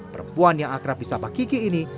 perempuan yang akrab pisah pak kiki ini